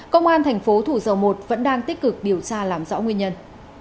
công an thành phố thủ dầu một vẫn đang tích cực điều tra làm rõ nguyên nhân